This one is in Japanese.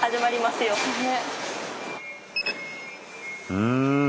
うん。